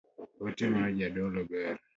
Ote mar jodolo ber